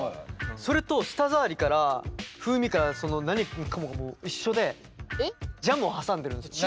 それと舌触りから風味からその何もかもがもう一緒でジャムを挟んでるんですよ。